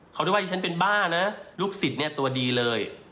เขาได้ว่าฉันเป็นบ้านะลูกศิษย์เนี่ยตัวดีเลย